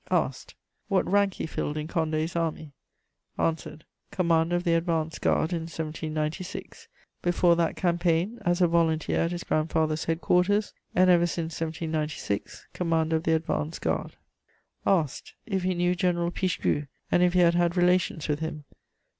Asked: What rank he filled in Condé's Army? Answered: Commander of the Advance Guard in 1796; before that campaign, as a volunteer at his grandfather's headquarters; and, ever since 1796, Commander of the Advance Guard. Asked: If he knew General Pichegru, and if he had had relations with him?